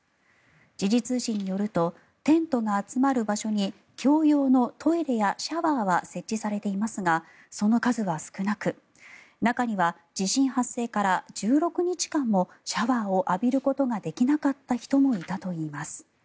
時事通信によるとテントが集まる場所に共用のトイレやシャワーは設置されていますがその数は少なく中には地震発生から１６日間もシャワーを浴びることができなかった人もいたといいます。